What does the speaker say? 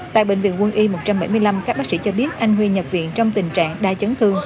tại bệnh viện quân y một trăm bảy mươi năm các bác sĩ cho biết anh huy nhập viện trong tình trạng đa chấn thương